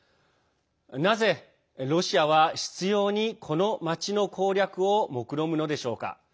なぜ、ロシアは執ようにこの町の攻略をもくろむのでしょうか。